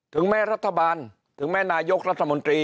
ถึงแม้รัฐบาลถึงแม้นายกรัฐมนตรี